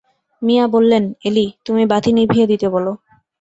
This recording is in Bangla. মিয়া বললেন, এলি, তুমি বাতি নিভিয়ে দিতে বল।